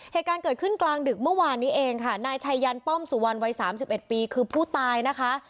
เหตุการณ์เกิดขึ้นกลางดึกเมื่อวานนี้เองค่ะนายชัยยันป้อมสุวรรณวัยสามสิบเอ็ดปีคือผู้ตายนะคะ